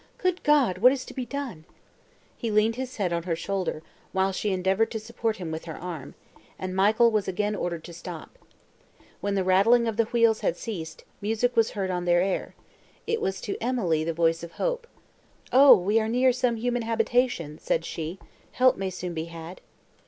Good God! what is to be done!" He leaned his head on her shoulder, while she endeavoured to support him with her arm, and Michael was again ordered to stop. When the rattling of the wheels had ceased, music was heard on their air; it was to Emily the voice of Hope. "Oh! we are near some human habitation!" said she, "help may soon be had."